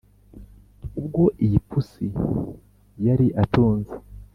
ubwo iyi pusi yari atunze